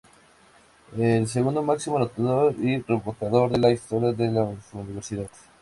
Es el segundo máximo anotador y reboteador de la historia de su universidad.